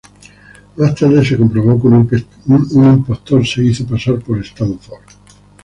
Más tarde se comprobó que un impostor se hizo pasar por Stanford.